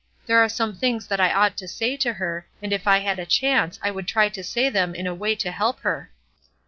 There are some things that I ought to say to her, and if I had a chance I would try to say them in a way to help her."